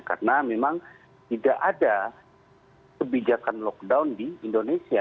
karena memang tidak ada kebijakan lockdown di indonesia